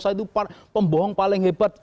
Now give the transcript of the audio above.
saya itu pembohong paling hebat